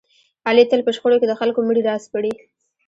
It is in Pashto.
علي تل په شخړو کې د خلکو مړي را سپړي.